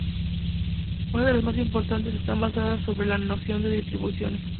Una de las más importantes están basadas sobre la noción de distribuciones.